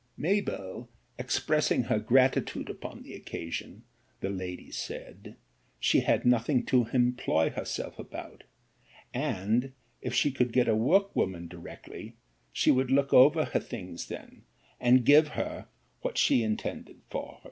'Mabell expressing her gratitude upon the occasion, the lady said, she had nothing to employ herself about, and if she could get a workwoman directly, she would look over her things then, and give her what she intended for her.